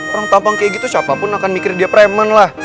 orang tampang kayak gitu siapapun akan mikir dia preman lah